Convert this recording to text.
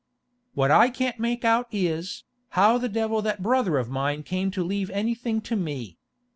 What I can't make out is, how the devil that brother of mine came to leave anything to me.